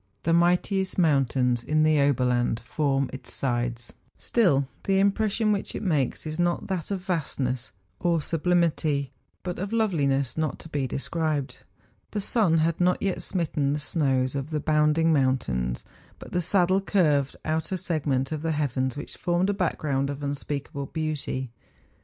The mightiest mountains in the Oberland form its sides; still the impression which it makes is not that of vastness or sublimity, but of loveliness not to be described. The sun had not yet smitten the snows of the bounding moun¬ tains; but the saddle curved out a segment of the heavens which formed a background of unspeakable beauty.